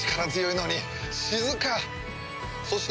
そして。